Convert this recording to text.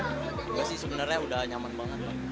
enggak sih sebenarnya udah nyaman banget